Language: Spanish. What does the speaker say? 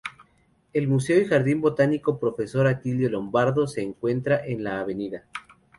El Museo y Jardín Botánico Profesor Atilio Lombardo se encuentra en la Av.